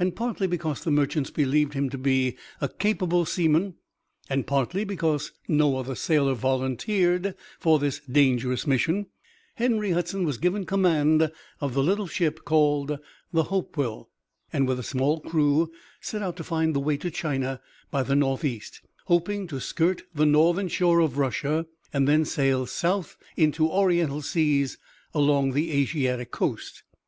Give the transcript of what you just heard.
And partly because the merchants believed him to be a capable seaman and partly because no other sailor volunteered for this dangerous mission, Henry Hudson was given command of the little ship called the Hopewell, and with a small crew set out to find the way to China by the northeast, hoping to skirt the northern shore of Russia and then sail south into Oriental seas along the Asiatic coast.